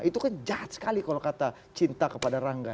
itu kan jahat sekali kalau kata cinta kepada rangga